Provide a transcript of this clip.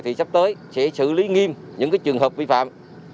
thì sắp tới sẽ xử lý nghiêm những trường hợp vi phạm